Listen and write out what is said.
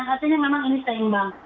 dan artinya memang ini seimbang